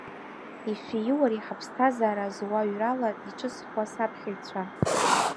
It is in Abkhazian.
Ишәиу ари ҳаԥсҭазаара зуаҩрала иҿызхуа, саԥхьаҩцәа.